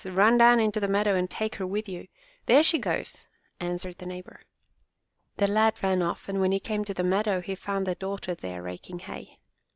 Run down into the meadow and take her with you. There she goes!" answered the neighbor. The lad ran off and when he came to the meadow he found the daughter there raking hay.